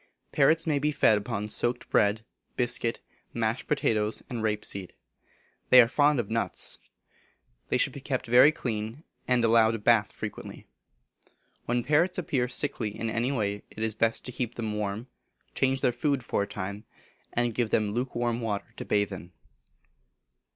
Parrots may be fed upon soaked bread, biscuit, mashed potatoes, and rape seed. They are fond of nuts. They should be kept very clean, and allowed a bath frequently. When parrots appear sickly in any way, it is best to keep them warm, change their food for a time, and give them lukewarm water to bathe in.